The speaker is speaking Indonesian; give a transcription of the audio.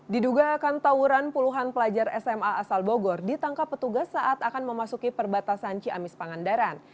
diduga akan tawuran puluhan pelajar sma asal bogor ditangkap petugas saat akan memasuki perbatasan ciamis pangandaran